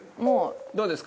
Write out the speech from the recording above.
どうですか？